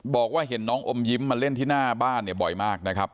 บอกว่าเห็นน้องอมยิ้มมาเล่นที่หน้าบ้านเนี่ยบ่อยมากนะครับ